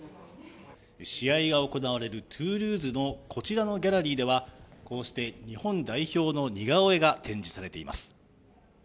試合が行われるトゥールーズのこちらのギャラリーでは日本代表の似顔絵が展示されています。